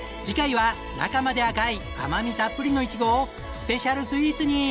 次回は中まで赤い甘みたっぷりのイチゴをスペシャルスイーツに。